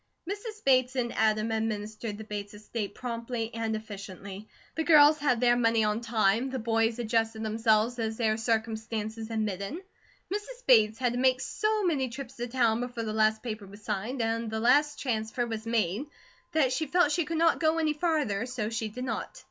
Mrs. Bates and Adam administered the Bates estate promptly and efficiently. The girls had their money on time, the boys adjusted themselves as their circumstances admitted. Mrs. Bates had to make so many trips to town, before the last paper was signed, and the last transfer was made, that she felt she could not go any farther, so she did not.